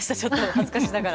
恥ずかしながら。